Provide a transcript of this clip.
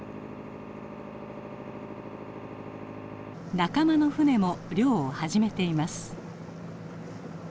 仲間の船も漁を始めています。